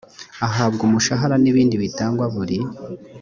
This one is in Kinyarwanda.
ahabwa umushahara n ibindi bitangwa buri